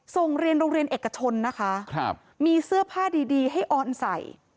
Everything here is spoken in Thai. ส่งเรียนโรงเรียนเอกชนนะคะครับมีเสื้อผ้าดีดีให้ออนใส่